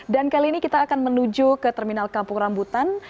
dan kali ini kita akan menuju ke terminal kampung rambutan